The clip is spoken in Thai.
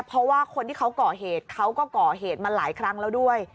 เพราะว่าคนที่เขาก่อเหตุเขาก็ก่อเหตุมาหลายครั้งแล้วด้วย